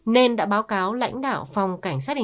nên đã báo cáo lãnh đạo phòng cảnh sát hình